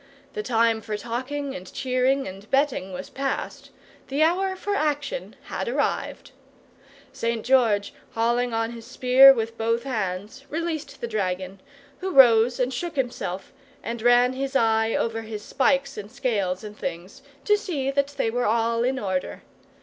The time for talking and cheering and betting was past, the hour for action had arrived. St. George, hauling on his spear with both hands, released the dragon, who rose and shook himself and ran his eye over his spikes and scales and things, to see that they were all in order.